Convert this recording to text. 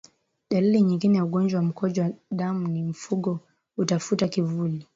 Dalili nyingine ya ugonjwa wa mkojo damu ni mfugo hutafuta kivuli